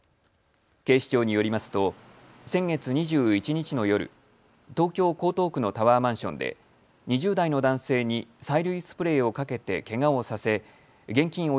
警視庁によりますと先月２１日の夜、東京江東区のタワーマンションで２０代の男性に催涙スプレーをかけて、けがをさせ現金